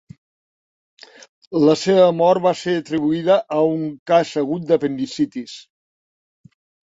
La seva mort va ser atribuïda a un cas agut d'apendicitis.